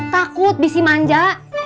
takut bisi manja